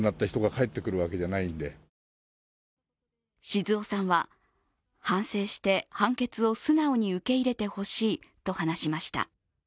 静雄さんは反省して判決を素直に受け入れてほしいと話しました。